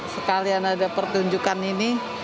sekalian ada pertunjukan ini